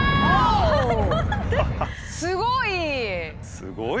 すごい！